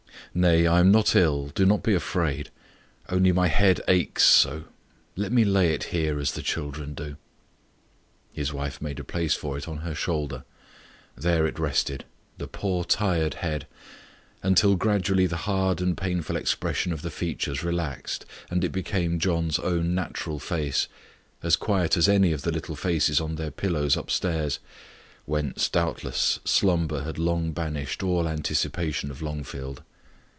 "Nay, I am not ill, do not be afraid. Only my head aches so let me lay it here as the children do." His wife made a place for it on her shoulder; there it rested the poor tired head, until gradually the hard and painful expression of the features relaxed, and it became John's own natural face as quiet as any of the little faces on their pillows up stairs, whence, doubtless, slumber had long banished all anticipation of Longfield.